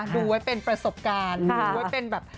ดูไว้เป็นประสบการณ์ดูไว้เป็นแบบ